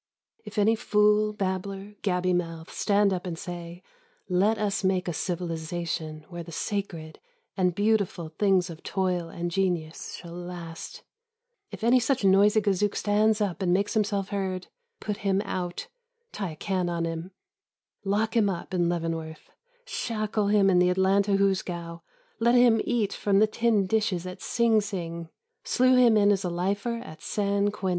If any fool, babbler, gabby mouth, stand up and say: Let us make a civilization where the sacred and beautiful things of toil and genius shall last — If any such noisy gazook stands up and makes himself heard — ^put him out — tie a can on him — lock him up in Leavenworth — shackle him in the Atlanta hoosegow — let him eat from the tin dishes at Sing Sing — slew him in as a lifer at San Quentin.